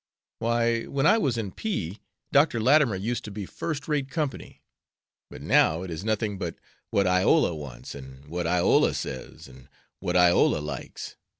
"Why, when I was in P , Dr. Latimer used to be first rate company, but now it is nothing but what Iola wants, and what Iola says, and what Iola likes.